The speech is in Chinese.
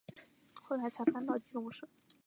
后来才搬到基隆市。